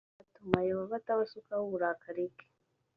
byatuma yehova atabasukaho uburakari bwe